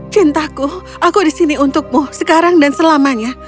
cintaku aku di sini untukmu sekarang dan selamanya